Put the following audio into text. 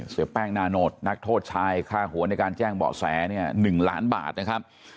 เสียแป้งนาโนตนักโทษชายค่าหัวในการแจ้งเบาะแสเนี่ย๑ล้านบาทนะครับ